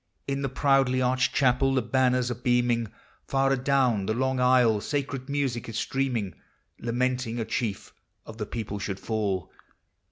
In the proudly arched chapel the banners are beaming; Far adown the long aisle sacred music is stream Lamenting a Chief of the People should fall.